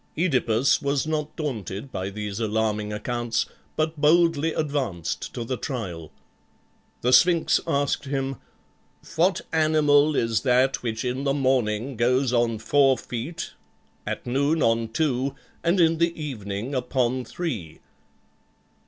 OEdipus was not daunted by these alarming accounts, but boldly advanced to the trial. The Sphinx asked him, "What animal is that which in the morning gees on four feet, at noon on two, and in the evening upon three?"